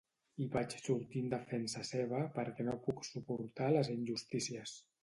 I vaig sortir en defensa seva perquè no puc suportar les injustícies.